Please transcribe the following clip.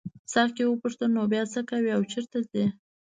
ساقي وپوښتل نو بیا څه کوې او چیرته ځې.